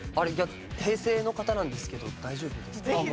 平成の方なんですけど大丈夫ですか？